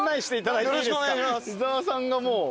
伊沢さんがもう。